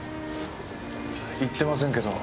行ってませんけど。